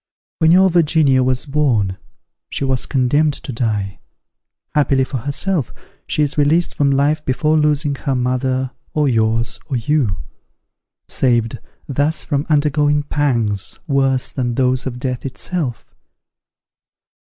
When your Virginia was born, she was condemned to die; happily for herself, she is released from life before losing her mother, or yours, or you; saved, thus from undergoing pangs worse than those of death itself.